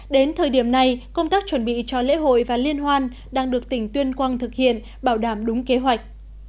đến thời điểm này công tác chuẩn bị cho lễ hội và liên hoan đang được tỉnh tuyên quang thực hiện bảo đảm đúng kế hoạch